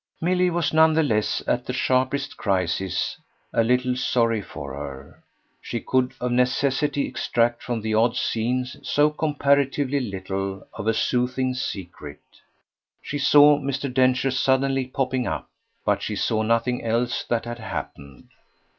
Milly was none the less, at the sharpest crisis, a little sorry for her; she could of necessity extract from the odd scene so comparatively little of a soothing secret. She saw Mr. Densher suddenly popping up, but she saw nothing else that had happened.